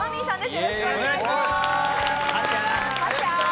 よろしくお願いします。